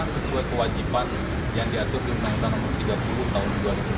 sesuai kewajiban yang diatur di uu tiga puluh tahun dua ribu dua puluh dua